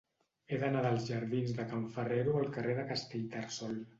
He d'anar dels jardins de Can Ferrero al carrer de Castellterçol.